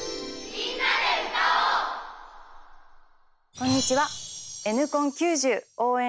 こんにちは。